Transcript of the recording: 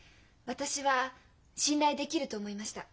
私は信頼できると思いました。